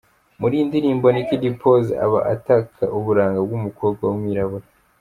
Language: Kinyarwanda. Muri iyi ndirimbo Nick Dimpoz aba ataka uburanga bw’umukobwa w’umwirabura.